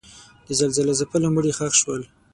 د زلزله ځپلو مړي ښخ شول.